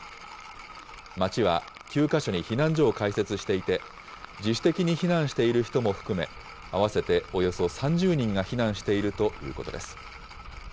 町は９か所に避難所を開設していて、自主的に避難している人も含め、合わせておよそ３０人が避難しているということです。